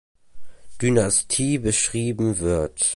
Dynastie beschrieben wird.